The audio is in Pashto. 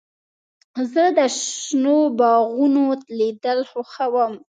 زه د شنو باغونو لیدل خوښوم.